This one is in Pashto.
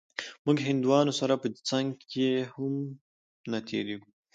موږ هندوانو سره په څنگ کښې هم نه تېرېږو.